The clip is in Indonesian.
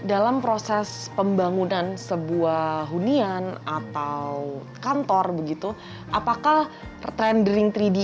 dalam proses pembangunan sebuah hunian atau kantor begitu apakah rendering tiga d ini bisa diperlukan